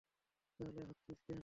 তাহলে হাসছিস কেন?